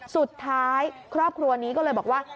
สุดท้ายครอบครัวนี้ก็เลยบอกว่า